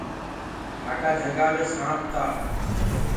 گيهرآ جھٚنِگآ مي سآنپ تآ۔